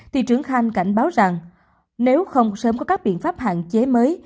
thị trưởng khanh cảnh báo rằng nếu không sớm có các biện pháp hạn chế mới